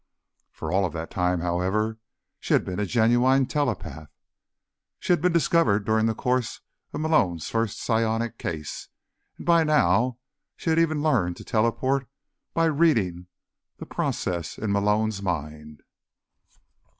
For all of that time, however, she had been a genuine telepath. She had been discovered during the course of Malone's first psionic case, and by now she had even learned to teleport by "reading" the process in Malone's mind.